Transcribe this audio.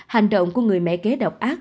hành động của người mẹ kế độc ác